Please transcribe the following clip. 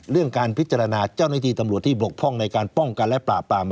เรื่องการพิจารณาเจ้าหน้าที่ตำรวจที่บกพร่องในการป้องกันและปราบปราม